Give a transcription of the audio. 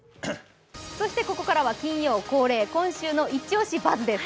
ここからは金曜恒例、「今週のイチオシバズ！」です。